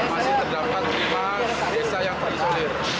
masih terdapat lima desa yang terisolir